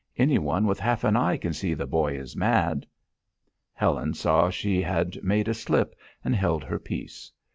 Anyone with half an eye can see the boy is mad!" Helen saw she had made a slip, and held her peace.